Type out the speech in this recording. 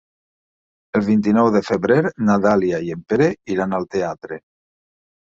El vint-i-nou de febrer na Dàlia i en Pere iran al teatre.